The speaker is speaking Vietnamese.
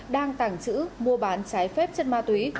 đang tàng trữ mua bán trái phép chất ma túy